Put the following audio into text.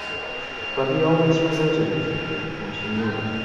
But he always resented it, and she knew it.